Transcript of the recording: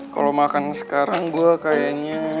kalau makan sekarang gue kayaknya